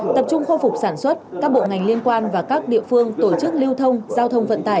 tập trung khôi phục sản xuất các bộ ngành liên quan và các địa phương tổ chức lưu thông giao thông vận tải